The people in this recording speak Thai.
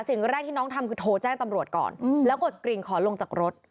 สิ่งแรกที่น้องทำคือโทรแจ้งตำรวจก่อนแล้วกดกริ่งขอลงจากรถ